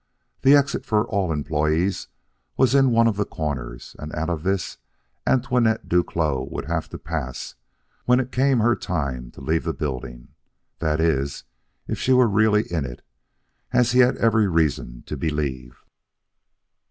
The exit for all employees was in one of the corners and out of this Antoinette Duclos would have to pass when it came her turn to leave the building that is, if she were really in it, as he had every reason to believe.